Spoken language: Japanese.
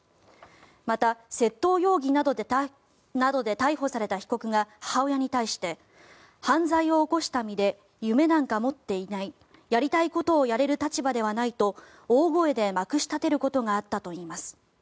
また、窃盗容疑などで逮捕された被告が母親に対して犯罪を起こした身で夢なんか持っていないやりたいことをやれる立場ではないと大声でまくし立てることがあったといいます。